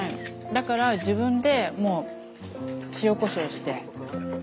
だから自分でもう塩こしょうして。